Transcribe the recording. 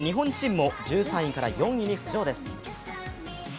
そして日本チームも１３位から４位に浮上です。